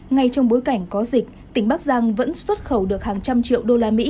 ngay trong bối cảnh có dịch tỉnh bắc giang vẫn xuất khẩu được hàng trăm triệu usd